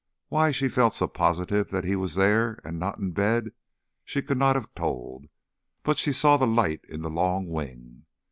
Why she felt so positive that he was there and not in bed she could not have told, but she saw the light in the long wing.